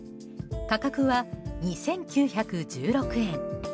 価格は２９１６円。